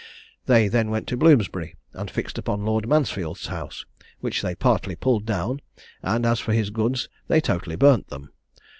They then went to Bloomsbury, and fixed upon Lord Mansfield's house, which they partly pulled down; and, as for his goods, they totally burnt them.